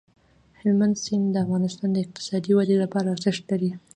هلمند سیند د افغانستان د اقتصادي ودې لپاره ارزښت لري.